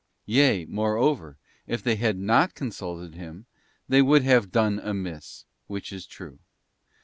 Yea, moreover, if they had not consulted Him, they would have done amiss: which is true.